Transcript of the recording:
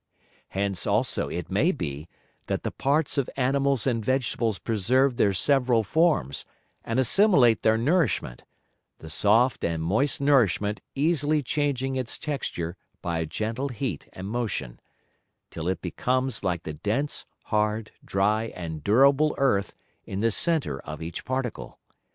Hence also it may be, that the Parts of Animals and Vegetables preserve their several Forms, and assimilate their Nourishment; the soft and moist Nourishment easily changing its Texture by a gentle Heat and Motion, till it becomes like the dense, hard, dry, and durable Earth in the Center of each Particle.